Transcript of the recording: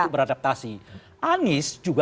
beradaptasi anies juga